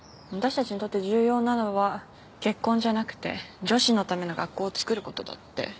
私たちにとって重要なのは結婚じゃなくて女子のための学校を作る事だって。